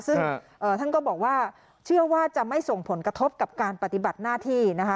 ซึ่งท่านก็บอกว่าเชื่อว่าจะไม่ส่งผลกระทบกับการปฏิบัติหน้าที่นะคะ